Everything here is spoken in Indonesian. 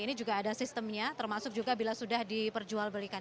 ini juga ada sistemnya termasuk juga bila sudah diperjualbelikan